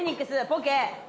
ポケ。